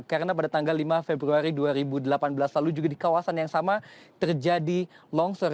karena pada tanggal lima februari dua ribu delapan belas lalu juga di kawasan yang sama terjadi longsor